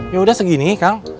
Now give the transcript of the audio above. yaudah segini kang